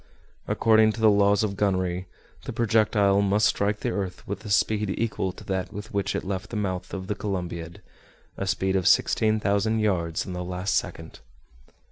According to the laws of gunnery, the projectile must strike the earth with a speed equal to that with which it left the mouth of the Columbiad, a speed of 16,000 yards in the last second.